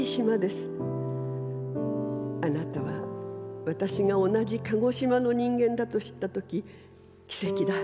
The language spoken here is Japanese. あなたは私が同じ鹿児島の人間だと知ったとき奇跡だ